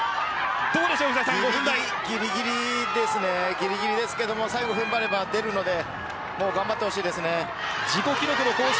ぎりぎりですけれど最後踏ん張れば５分台が出るので頑張ってほしいです。